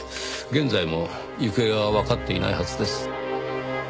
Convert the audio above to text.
現在も行方がわかっていないはずです。